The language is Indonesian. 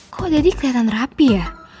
kok jadi kelihatan rapi ya